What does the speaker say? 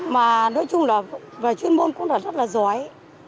mà nói chung là về chuyên môn cũng là rất là giỏi